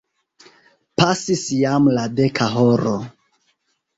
Pasis jam la deka horo.